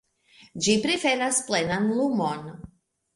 Ĝi preferas plenan lumon.